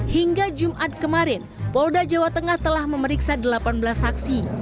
hingga jumat kemarin polda jawa tengah telah memeriksa delapan belas saksi